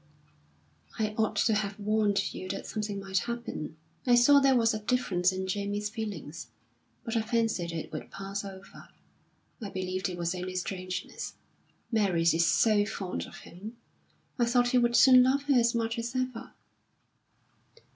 "I ought to have warned you that something might happen. I saw there was a difference in Jamie's feelings, but I fancied it would pass over. I believed it was only strangeness. Mary is so fond of him, I thought he would soon love her as much as ever."